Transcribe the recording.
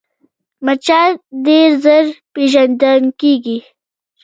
مچان ډېر ژر پېژندل کېږي